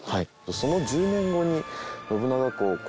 その１０年後に信長公高